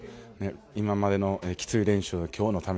今までのきつい練習は今日のため。